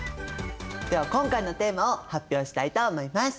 では今回のテーマを発表したいと思います。